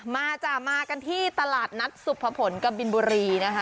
จ้ะมากันที่ตลาดนัดสุภพลกบินบุรีนะคะ